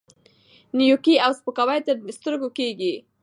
نیوکې او سپکاوي تر سترګو کېږي،